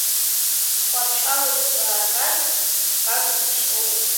Тҟәарчалынтә даарган, Гагра дышьҭоуп.